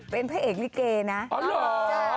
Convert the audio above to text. เป็นพระเอกลิเกนะอ๋อเหรอ